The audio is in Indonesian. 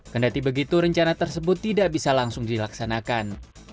kendati begitu rencana tersebut tidak bisa langsung dilaksanakan